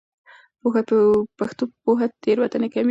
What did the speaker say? پښتو پوهه تېروتنې کموي.